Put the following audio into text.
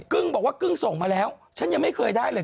กึ้งบอกว่ากึ้งส่งมาแล้วฉันยังไม่เคยได้เลย